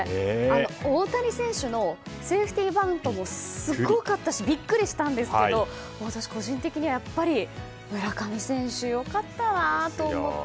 大谷選手のセーフティーバントもすごかったしビックリしたんですが私、個人的にはやっぱり村上選手、良かったなと思って。